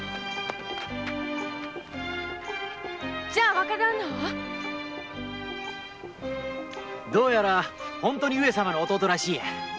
じゃあ若旦那は⁉どうやら本当に上様の弟らしいや。